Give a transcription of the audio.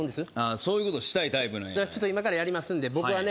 そういうことしたいタイプなんやちょっと今からやりますんで僕はね